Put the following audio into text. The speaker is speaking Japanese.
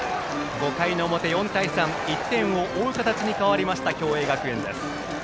５回の表、４対３１点を追う形に変わる共栄学園。